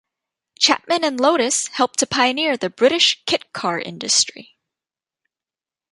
Chapman and Lotus helped to pioneer the British kit car industry.